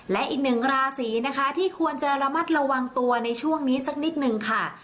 และอีกหนึ่งราศีนะคะที่ควรจะระมัดระวังตัวในช่วงนี้สักนิดนึงค่ะ